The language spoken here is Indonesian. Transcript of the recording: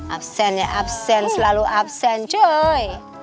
absen ya absen selalu absen cuy